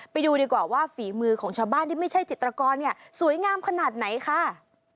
ไปดูดีกว่าว่าฝีมือของชาวบ้านที่ไม่ใช่จิตรกรเนี่ยสวยงามขนาดไหนค่ะ